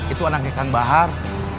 itu anaknya kang bahar